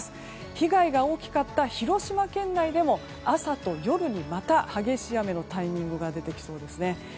被害が大きかった広島県内でも朝と夜にまた激しい雨のタイミングが出てきそうですね。